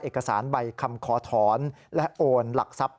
เอกสารใบคำขอถอนและโอนหลักทรัพย